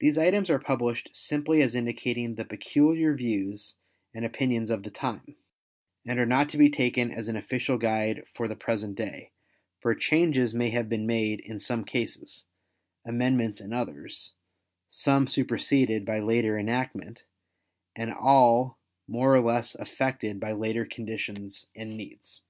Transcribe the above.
These items are published simply as indicating the peculiar views and opinions of the time, and are not to be taken as an official guide for the present day, for changes may have been made in some cases, amendments in others, some superseded by later enactment and all more or less affected by later conditions and needs.